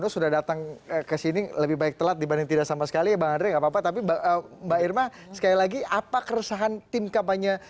saya tidak menuduh ya